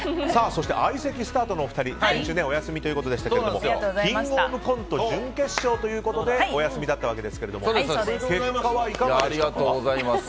そして相席スタートのお二人、先週はお休みということでしたけど「キングオブコント」準決勝ということでお休みだったわけですけどもありがとうございます。